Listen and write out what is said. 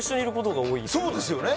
そうですよね？